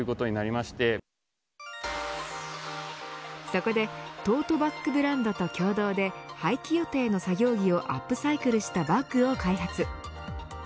そこでトートバックブランドと共同で廃棄予定の作業着をアップサイクルしたバッグを開発。